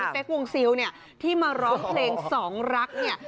เป๊กวงซิลเนี่ยที่มาร้องเพลงสองรักเนี่ย